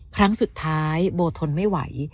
ครั้งสุดท้ายโบทนไม่ไหว